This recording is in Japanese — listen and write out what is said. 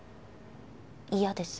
嫌です。